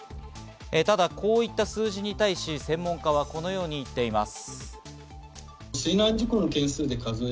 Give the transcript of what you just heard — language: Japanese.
ただこういった数字に対し専門家はこのようにいっています。